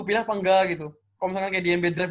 kepilih apa enggak gitu kalau misalkan kayak di nba draft